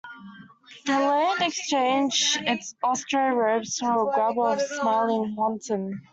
The land exchanged its austere robes for the garb of a smiling wanton.